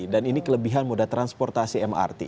dan ini kelebihan moda transportasi mrt